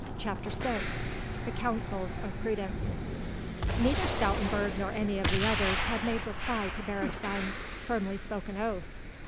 CHAPTER VI THE COUNSELS OF PRUDENCE Neither Stoutenburg nor any of the others had made reply to Beresteyn's firmly spoken oath.